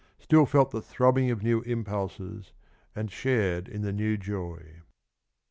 still felt the throbbing of new impulses, and shared in the new joy.